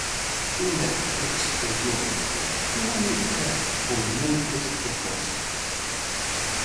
Unha experiencia única con moitos propósitos.